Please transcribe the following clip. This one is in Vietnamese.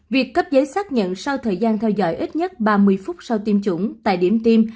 việc cấp giấy xác nhận sau thời gian theo dõi ít nhất ba mươi phút sau tiêm chủng tại điểm tiêm